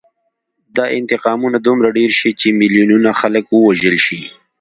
دا انتقامونه دومره ډېر شي چې میلیونونه خلک ووژل شي